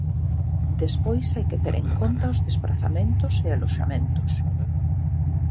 Despois hai que ter en conta os desprazamentos e aloxamentos.